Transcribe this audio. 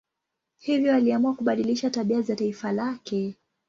Hivyo aliamua kubadilisha tabia za taifa lake.